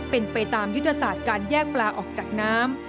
เป็นไปตามยุทธศาสตร์การแยกปลาออกจากน้ำ